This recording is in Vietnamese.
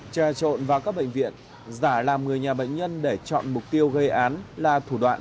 trà trộn vào các bệnh viện giả làm người nhà bệnh nhân để chọn mục tiêu gây án là thủ đoạn